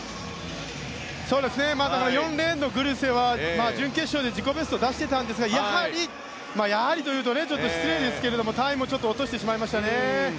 ４レーンのグルセは準決勝で自己ベストを出していたんですがやはりというとちょっと失礼ですがタイムも、ちょっと落としてしまいましたね。